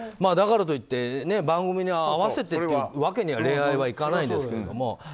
だからといって番組に合わせてというわけには恋愛はいかないですけれども。